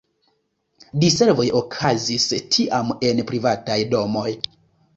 Diservoj okazis tiam en privataj domoj.